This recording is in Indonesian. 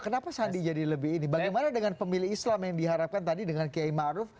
kenapa sandi jadi lebih ini bagaimana dengan pemilih islam yang diharapkan tadi dengan kiai ⁇ maruf ⁇